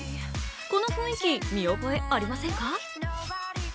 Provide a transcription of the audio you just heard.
この雰囲気、見覚えありませんか？